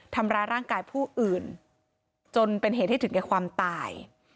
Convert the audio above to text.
ทำร้ายร่างกายผู้อื่นจนเป็นเหตุให้ถึงแก่ความตาย